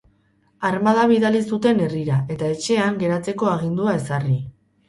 Armada bidali zuten herrira, eta etxean geratzeko agindua ezarri.